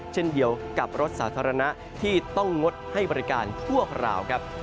เช่นเดียวกับรถสาธารณะที่ต้องงดให้บริการชั่วคราวครับ